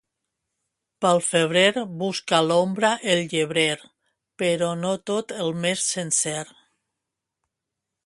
Pel febrer busca l'ombra el llebrer, però no tot el mes sencer.